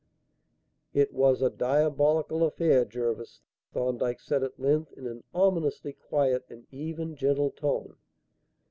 "It was a diabolical affair, Jervis," Thorndyke said at length, in an ominously quiet and even gentle tone.